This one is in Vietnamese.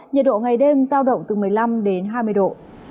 nhiệt độ ngày đêm giao động từ một mươi năm đến hai mươi độ